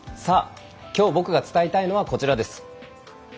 きょう僕が伝えたいのはこちらです。